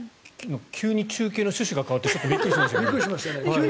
急に中継の趣旨が変わってちょっとびっくりしましたけど。